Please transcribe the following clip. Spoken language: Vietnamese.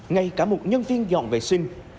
ngay cả một nhân viên dọn vệ sinh